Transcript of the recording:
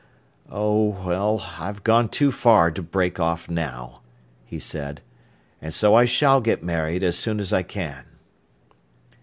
"Oh, well, I've gone too far to break off now," he said, "and so I shall get married as soon as I can."